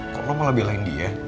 kok lo malah belain dia